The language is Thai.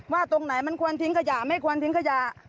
ตรงไหนมันควรทิ้งขยะไม่ควรทิ้งขยะ